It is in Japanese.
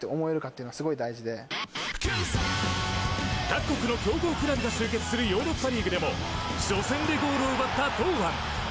各国の強豪クラブが集結するヨーロッパリーグでも初戦でゴールを奪った堂安。